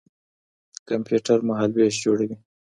کمپيوټر مهالوېش جوړوي.